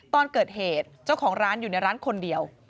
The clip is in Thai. ตอนเกิดเหตุเจ้าของร้านอยู่ในร้านคนเดียว